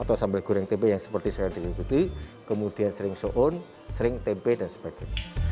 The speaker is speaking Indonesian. atau sambal goreng tempe yang seperti sekarang diikuti kemudian sering soun sering tempe dan sebagainya